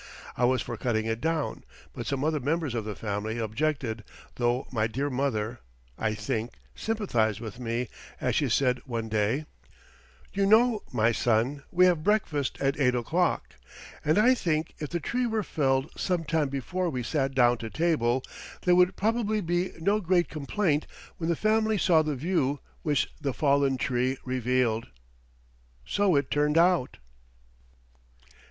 I was for cutting it down, but some other members of the family objected, though my dear mother, I think, sympathized with me, as she said one day: "You know, my son, we have breakfast at eight o'clock, and I think if the tree were felled some time before we sat down to table, there would probably be no great complaint when the family saw the view which the fallen tree revealed." So it turned out.